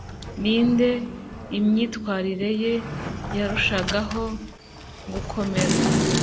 ninde imyitwarire ye yarushagaho gukomera